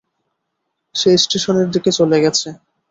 সে স্টেশনের দিকে চলে গেছে।